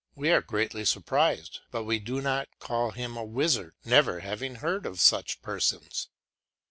We are greatly surprised, but we do not call him a wizard, never having heard of such persons.